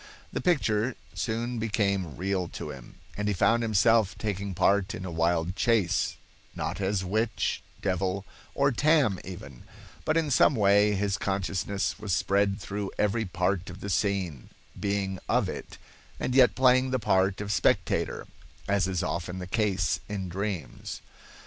The picture soon became real to him, and he found himself taking part in a wild chase, not as witch, devil, or Tam even; but in some way his consciousness was spread through every part of the scene, being of it, and yet playing the part of spectator, as is often the case in dreams.